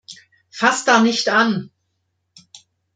Fass da nicht an!